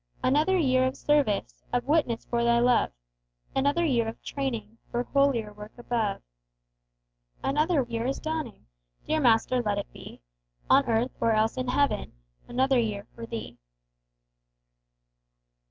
Another year of service, Of witness for Thy love; Another year of training For holier work above. Another year is dawning! Dear Master, let it be On earth, or else in heaven, Another year for Thee!